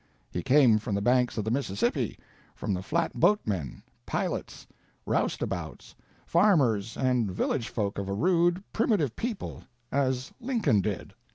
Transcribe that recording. He came from the banks of the Mississippi from the flatboatmen, pilots, roustabouts, farmers and village folk of a rude, primitive people as Lincoln did.